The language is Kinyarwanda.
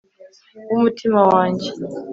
w'umutima wanjye